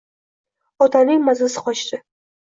Otaning mazasi qochdi